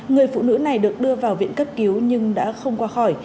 người phụ nữ này được đưa vào viện cấp cứu nhưng đã không qua khỏi